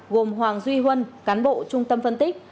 gồm hoàng duy huân cán bộ trung tâm phân tích